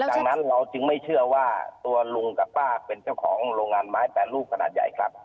ดังนั้นเราจึงไม่เชื่อว่าตัวลุงกับป้าเป็นเจ้าของโรงงานไม้แปรรูปขนาดใหญ่ครับ